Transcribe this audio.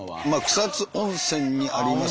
草津温泉にあります